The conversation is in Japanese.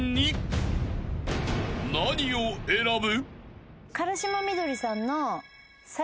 ［何を選ぶ？］